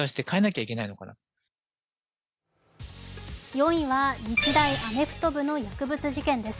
４位は日大アメフト部の薬物事件です。